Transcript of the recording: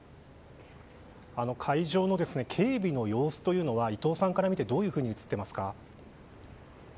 会場の警備の様子は伊藤さんから見てどういうふうに映っていますか？